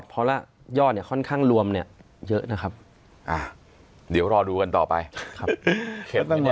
เข็ดไหมเนี่ยกับความรัก